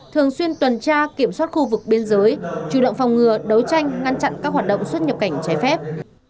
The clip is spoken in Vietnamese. thường xuyên tuần tra kiểm soát khu vực biên giới chủ động phòng ngừa đấu tranh ngăn chặn các hoạt động xuất nhập cảnh trái phép